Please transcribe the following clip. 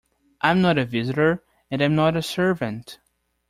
‘I’m not a visitor, and I’m not a servant.